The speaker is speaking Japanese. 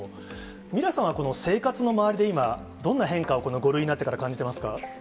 ミラさんは、今、どんな変化を５類になってから感じてますか？